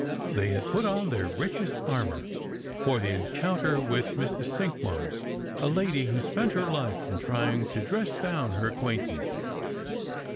They had put on their richest armour for the en counter with Mrs. Cinqmars, a lady who spent her life in trying to dress down her acquaintance.